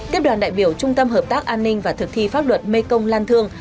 tiếp đoàn đại biểu trung tâm hợp tác an ninh và thực thi pháp luật mê công lan thương